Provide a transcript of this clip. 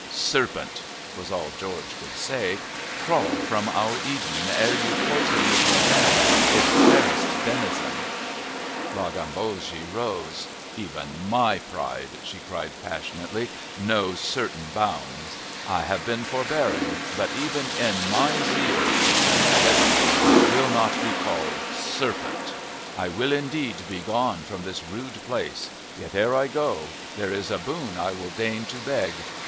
"Serpent," was all George could say, "crawl from our Eden, ere you poison with your venom its fairest denizen." La Gambogi rose. "Even my pride," she cried passionately, "knows certain bounds. I have been forbearing, but even in my zeal for friendship I will not be called 'serpent.' I will indeed be gone from this rude place. Yet, ere I go, there is a boon I will deign to beg.